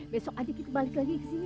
besok aja kita balik lagi ke sini